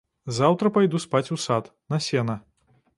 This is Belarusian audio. Заўтра пайду спаць у сад, на сена.